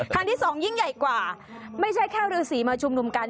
ที่สองยิ่งใหญ่กว่าไม่ใช่แค่ฤษีมาชุมนุมกัน